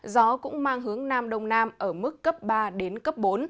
gió cũng mang hướng nam đông nam ở mức cấp ba đến cấp bốn